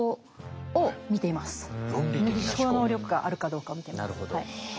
思考能力があるかどうかを見ています。